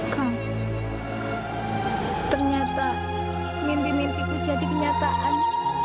kang ternyata mimpi mimpiku jadi kenyataan